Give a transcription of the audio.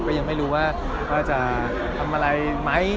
ยังไม่รู้ว่าว่าจะทำอะไรไหม